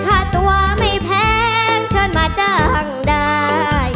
ถ้าตัวไม่แพงเชิญมาจ้างได้